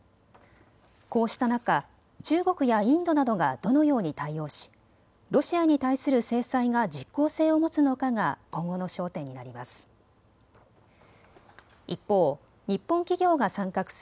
こうした中、中国やインドなどがどのように対応しロシアに対する制裁が実効性を持つのかが今後の焦点になります。